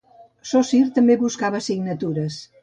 Saussure també buscava signatures.